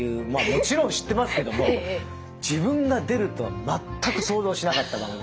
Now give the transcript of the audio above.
もちろん知ってますけども自分が出るとは全く想像しなかった番組ですね。